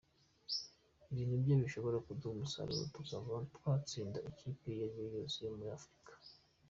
Ibi nibyo bishobora kuduha umusaruro tukaba twatsinda ikipe iyo ariyo yose yo muri Afrika.